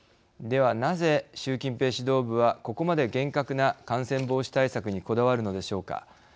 ではなぜ習近平指導部はここまで厳格な感染防止対策にこだわるのでしょうか。